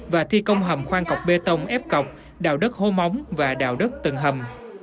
và thi công hầm khoan cọc bê tông ép cọc đào đất hô móng và đào đất tầng hầm